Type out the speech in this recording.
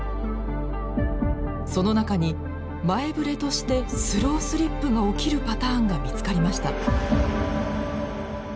その中に前ぶれとしてスロースリップが起きるパターンが見つかりました。